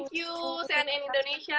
thank you cnn indonesia